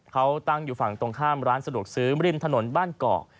เขาตั้งอยู่ฝั่งตรงข้ามร้านสะดวกซื้อริมถนนบ้านเกาะ